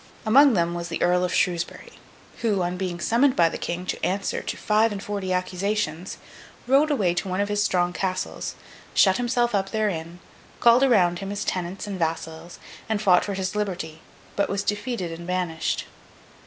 Among them was the Earl of Shrewsbury, who, on being summoned by the King to answer to five and forty accusations, rode away to one of his strong castles, shut himself up therein, called around him his tenants and vassals, and fought for his liberty, but was defeated and banished.